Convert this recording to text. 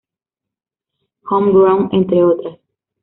Home Grown entre otras.